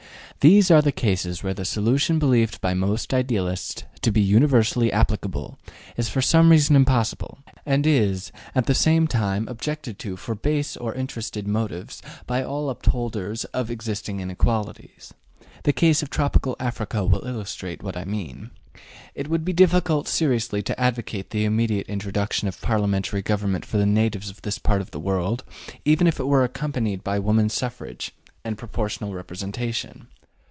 These are the cases where the solution believed by most idealists to be universally applicable is for some reason impossible, and is, at the same time, objected to for base or interested motives by all upholders of existing inequalities. The case of Tropical Africa will illustrate what I mean. It would be difficult seriously to advocate the immediate introduction of parliamentary government for the natives of this part of the world, even if it were accompanied by women's suffrage and proportional representation.